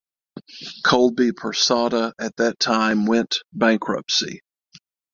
Colby Persada at that time went bankruptcy.